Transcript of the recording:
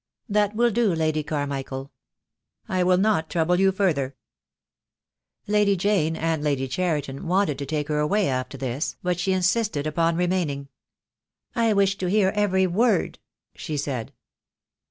"That will do, Lady Carmichael. I will not trouble you further." THE DAY WILL COME. I 27 Lady Jane and Lady Cheriton wanted to take her away after this, but she insisted upon remaining. "I wish to hear every word," she said.